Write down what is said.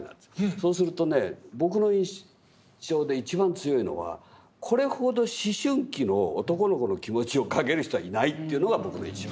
そうするとね僕の印象で一番強いのはこれほど思春期の男の子の気持ちを描ける人はいないというのが僕の印象。